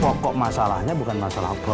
pokok masalahnya bukan masalah